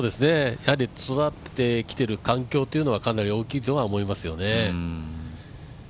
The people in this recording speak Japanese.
育ってきている環境というのはかなり大きいとは思いますね。